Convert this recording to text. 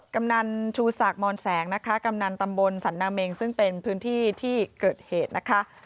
กำนันชูศักดิ์มอนแสงนะคะกำนันตำบลสันนาเมงซึ่งเป็นพื้นที่ที่เกิดเหตุนะคะ